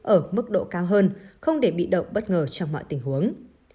ở mức độ cao hơn không để bị động bất ngờ trong mọi tình huống